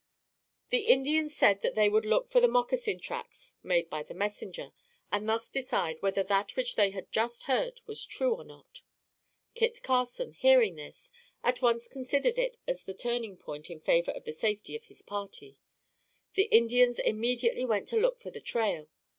The Indians said they would look for the moccasin tracks made by the messenger, and thus decide whether that which they had just heard was true, or not. Kit Carson hearing this, at once considered it as the turning point in favor of the safety of his party. The Indians immediately went to look for the trail.